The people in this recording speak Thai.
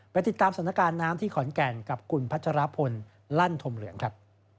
ติดตามสถานการณ์น้ำที่ขอนแก่นกับคุณพัชรพลลั่นธมเหลืองครับ